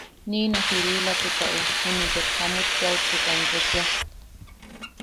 Niina Siriilatukaʼu juni ket jamut yaʼutukan kechia.